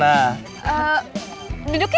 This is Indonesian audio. aku sudah minum adik gue